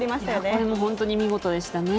これ、本当に見事でしたね。